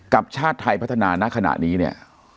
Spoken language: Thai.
ชาติไทยพัฒนาณขณะนี้เนี่ย